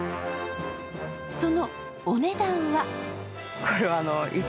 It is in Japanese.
そのお値段は？